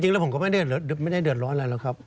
จริงแล้วผมก็ไม่ได้เดือดร้อนอะไรหรอกครับ